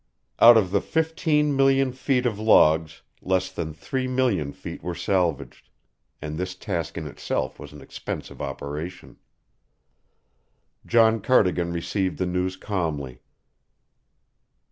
Out of the fifteen million feet of logs less than three million feet were salvaged, and this task in itself was an expensive operation. John Cardigan received the news calmly.